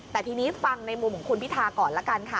แต่ทีนี้ฟังในมุมของคุณพิธาก่อนละกันค่ะ